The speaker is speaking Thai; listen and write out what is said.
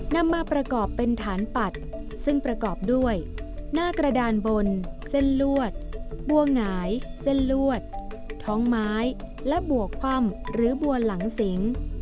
นำมาประกอบเป็นฐานปัดซึ่งประกอบด้วยหน้ากระดานบนเส้นลวดบัวหงายเส้นลวดท้องไม้และบัวคว่ำหรือบัวหลังสิง